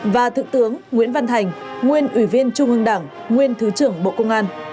và thượng tướng nguyễn văn thành nguyên ủy viên trung ương đảng nguyên thứ trưởng bộ công an